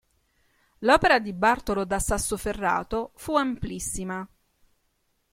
L'opera di Bartolo da Sassoferrato fu amplissima.